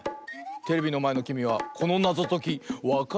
テレビのまえのきみはこのなぞときわかるかな？